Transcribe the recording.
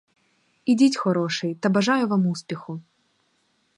Ідіть, хороший, та бажаю вам успіху.